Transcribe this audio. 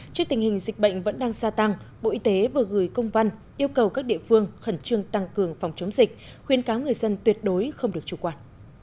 trước tình hình dịch bệnh vẫn đang gia tăng bộ y tế vừa gửi công văn yêu cầu các địa phương khẩn trương tăng cường phòng chống dịch khuyên cáo người dân tuyệt đối không được chủ quản